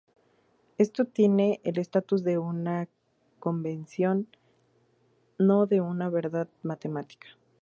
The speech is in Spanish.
Esto tiene el estatus de una convención, no de una verdad matemática.